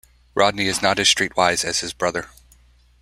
Rodney is not as streetwise as his brother.